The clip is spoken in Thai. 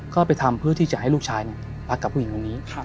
ก็ไปทำเพื่อที่จะให้ลูกชายรักกับผู้หญิงตรงนี้